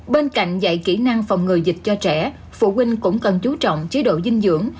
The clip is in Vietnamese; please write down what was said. bên cạnh dạy kỹ năng phòng ngừa dịch cho trẻ phụ huynh cũng cần chú trọng chế độ dinh dưỡng